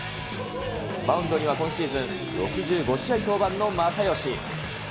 マウンドには今シーズン、６５試合登板の又吉。